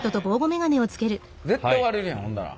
絶対割れるやん踏んだら。